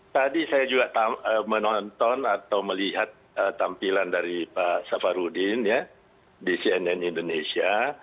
tadi saya juga menonton atau melihat tampilan dari pak safarudin ya di cnn indonesia